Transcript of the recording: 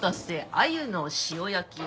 鮎の塩焼きです。